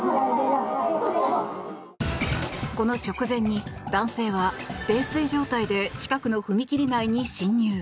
この直前に男性は泥酔状態で近くの踏切内に侵入。